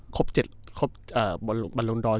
ครบ๗ลูกบรรลองดอร์๗ลูก